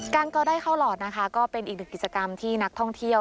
ก็ได้เข้าหลอดนะคะก็เป็นอีกหนึ่งกิจกรรมที่นักท่องเที่ยว